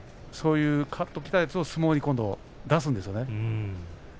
かっときたやつを相撲に出すんですよね。